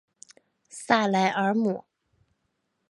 萨莱尔姆。